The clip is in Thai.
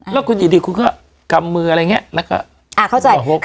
แล้วคุณอิดิตคุณก็กำมืออะไรอย่างนี้